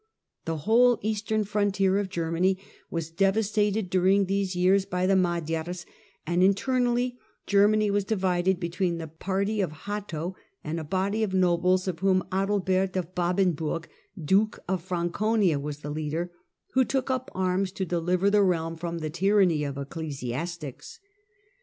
The whole eastern frontier of Germany was devastated during these years by the Magyars, and internally Germany was divided between the party of Hatto and a body of nobles, of whom Adal bert of Babenburg, Duke of Franconia, was the leader, who took up arms to deliver the realm from the tyranny of ecclesiastics.